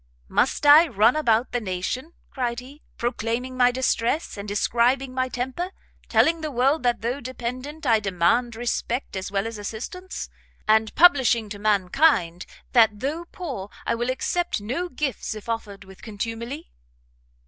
"Must I run about the nation," cried he, "proclaiming my distress, and describing my temper? telling the world that though dependent I demand respect as well as assistance; and publishing to mankind, that though poor I will accept no gifts if offered with contumely?